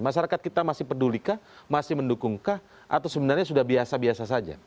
masyarakat kita masih pedulikah masih mendukungkah atau sebenarnya sudah biasa biasa saja